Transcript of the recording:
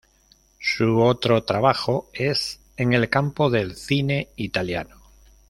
Su otro trabajo es en el campo del cine italiano.